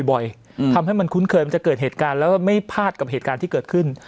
ทำให้มันคุ้นเคยมันจะเกิดเหตุการณ์แล้วไม่พลาดกับเหตุการณ์ที่เกิดขึ้น